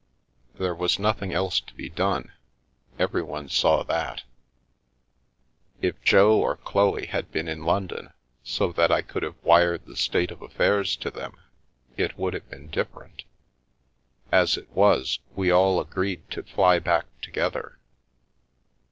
There was nothing else to be done ; everyone saw that. If Jo or Chloe had been in London, so that I could have wired the state of affairs to them, it would have been dif ferent; as it was, we all agreed to fly back together.